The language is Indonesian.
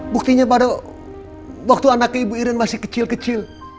buktinya pada waktu anaknya ibu irin masih kecil kecil